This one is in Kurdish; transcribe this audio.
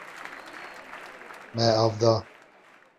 Me av da.